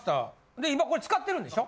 で今これ使ってるんでしょ？